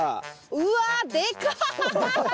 うわでか！